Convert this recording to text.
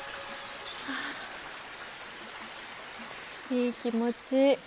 いい気持ち。